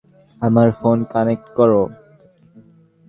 আমার phone connect করো।